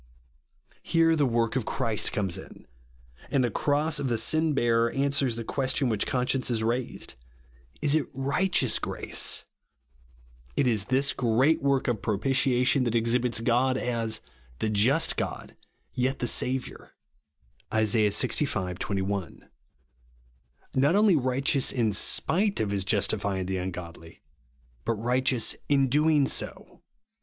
Here the work of Christ comes in ; and the cross of the Sin bearer answers the question which conscience had raised, —'* Is it righteous grace?" It is this great work ■RIGHTEOUS GRACE. 45 of propitiation that exhibits God as " the just God, yet the Saviour" (Is. xlv. 21) ; not only righteous in spite of his justify ing the ungodly, but righteous ill doing so.